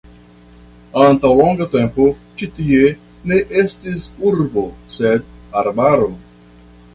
Antaŭ longa tempo ĉi tie ne estis urbo sed arbaro.